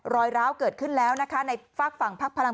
รอยร้าวเกิดขึ้นแล้วนะคะ